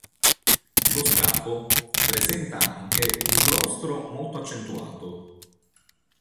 Lo scafo presenta anche un rostro molto accentuato.